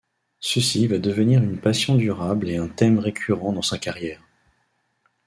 Ceci va devenir une passion durable et un thème récurrent dans sa carrière.